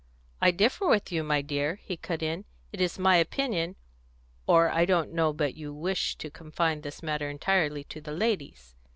"I differ with you, my dear," he cut in. "It is my opinion Or I don't know but you wish to confine this matter entirely to the ladies?"